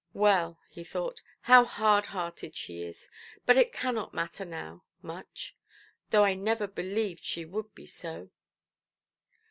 "Well", he thought, "how hard–hearted she is! But it cannot matter now, much. Though I never believed she would be so".